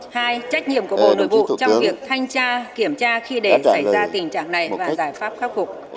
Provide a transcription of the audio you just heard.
hai trách nhiệm của bộ nội vụ trong việc thanh tra kiểm tra khi để xảy ra tình trạng này và giải pháp khắc phục